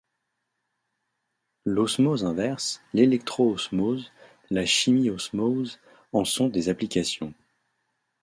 L'osmose inverse, l'électro-osmose, la chimiosmose en sont des applications.